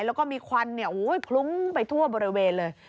แล้วก็มีควันพลุ้งไปทั่วบริเวณเลย